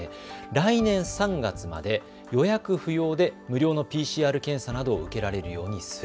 来年３月まで予約不要で無料のＰＣＲ検査などを受けられるようにする。